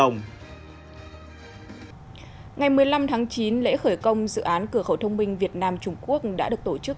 ngày một mươi năm tháng chín lễ khởi công dự án cửa khẩu thông minh việt nam trung quốc đã được tổ chức